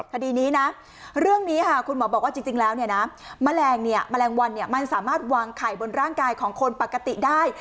คดีนี้นะเรื่องนี้ค่ะคุณหมอบอกว่าจริงแล้วเนี่ยนะแมลงวันมันสามารถวางไข่บนร่างกายของคนปกติได้